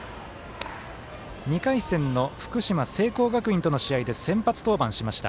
２回戦の福島、聖光学院との試合で先発登板しました。